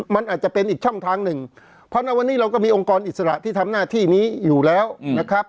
มันอาจจะเป็นอีกช่องทางหนึ่งเพราะในวันนี้เราก็มีองค์กรอิสระที่ทำหน้าที่นี้อยู่แล้วนะครับ